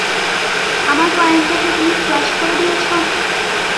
আমার কয়েনটাকে তুমি ফ্ল্যাশ করে দিয়েছ?